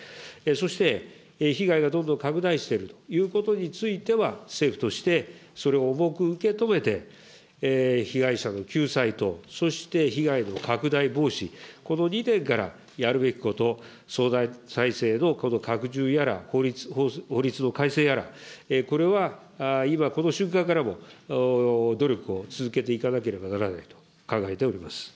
そして、被害がどんどん拡大しているということについては、政府としてそれを重く受け止めて、被害者の救済と、そして被害の拡大防止、この２点からやるべきこと、相談体制の拡充やら、法律の改正やら、これは今この瞬間からも、努力を続けていかなければならないと考えております。